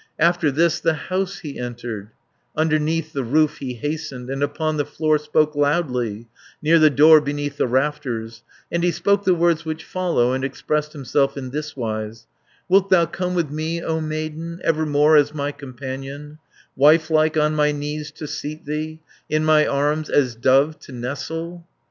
After this the house he entered, Underneath the roof he hastened, And upon the floor spoke loudly, Near the door beneath the rafters, 670 And he spoke the words which follow, And expressed himself in thiswise: "Wilt thou come with me, O maiden, Evermore as my companion, Wife like on my knees to seat thee, In my arms as dove to nestle?"